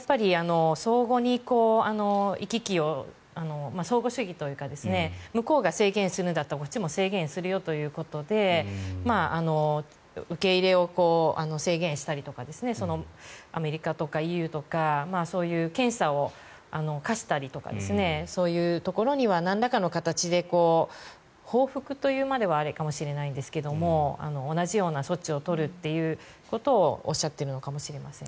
相互に行き来を相互主義というか向こうが制限するんだったらこっちも制限するよということで受け入れを制限したりとかアメリカとかＥＵとかそういう検査を課したりとかそういうところにはなんらかの形で報復というまではあれかもしれないですが同じような措置を取るということをおっしゃっているのかもしれません。